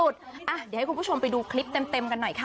เดี๋ยวให้คุณผู้ชมไปดูคลิปเต็มกันหน่อยค่ะ